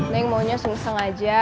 neng maunya sengseng aja